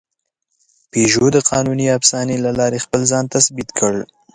پيژو د قانوني افسانې له لارې خپل ځان تثبیت کړ.